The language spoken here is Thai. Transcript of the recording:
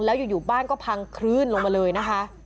แล้วอยู่บ้านก็พังคลื่นลงมาเลยนะคะ